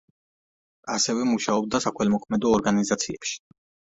ასევე მუშაობდა საქველმოქმედო ორგანიზაციებში.